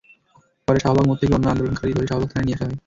পরে শাহবাগ মোড় থেকে অন্য আন্দোলনকারী ধরে শাহবাগ থানায় নিয়ে আসা হয়।